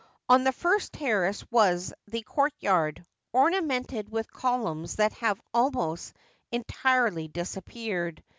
On the first terrace was the court yard, ornamented with columns that have almost entirely disappeared.